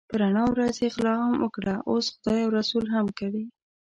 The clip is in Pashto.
په رڼا ورځ یې غلا هم وکړه اوس خدای او رسول هم کوي.